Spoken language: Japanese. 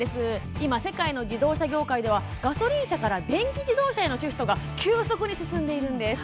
今、世界の自動車業界ではガソリン車から電気自動車へのシフトが急速に進んでいます。